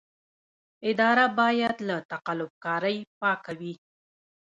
اداره باید له تقلب کارۍ پاکه وي.